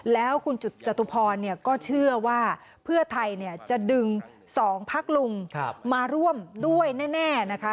แล้วคุณจตุพรก็เชื่อว่าเพื่อไทยจะดึง๒พักลุงมาร่วมด้วยแน่นะคะ